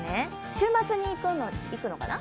週末に行くのかな？